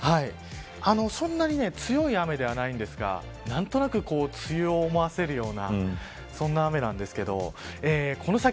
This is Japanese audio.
そんなに強い雨ではないんですが何となく梅雨を思わせるようなそんな雨なんですけどこの先